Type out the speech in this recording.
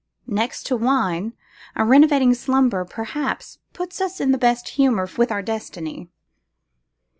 Next to wine, a renovating slumber perhaps puts us in the best humour with our destiny.